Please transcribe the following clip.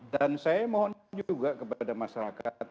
dan saya mohon juga kepada masyarakat